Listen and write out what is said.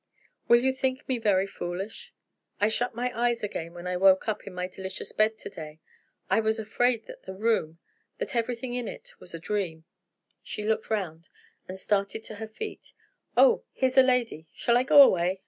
Will you think me very foolish? I shut my eyes again, when I woke in my delicious bed to day. I was afraid that the room, and everything in it, was a dream." She looked round, and started to her feet. "Oh, here's a lady! Shall I go away?"